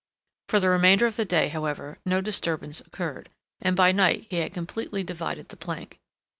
For the remainder of the day, however, no disturbance occurred, and by night he had completely divided the plank.